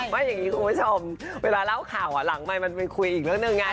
ไม่อย่างนี้คุณผู้ชมเวลาเล่าข่าวหลังใหม่มันเป็นคุยอีกเรื่องหนึ่งไง